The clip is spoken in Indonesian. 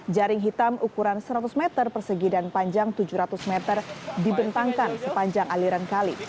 jaring hitam ukuran seratus meter persegi dan panjang tujuh ratus meter dibentangkan sepanjang aliran kali